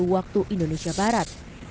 waktu indonesia barat